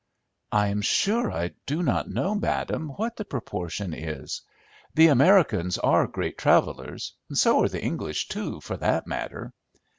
"I am sure I do not know, madam, what the proportion is. The Americans are great travellers, so are the English too, for that matter."